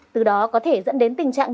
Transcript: từ đó có thể dẫn đến tình trạng